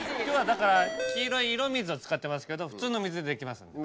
今日はだから黄色い色水を使ってますけど普通の水でできます。